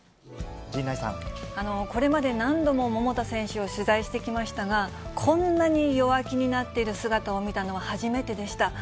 これまで何度も桃田選手を取材してきましたが、こんなに弱気になっている姿を見たのは初めてでした。